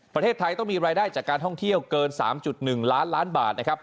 ประเทศไทยต้องมีรายได้จากการท่องเที่ยวเกิน๓๑ล้านล้านบาทนะครับ